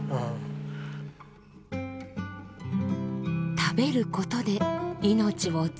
食べることで命をつなぐ。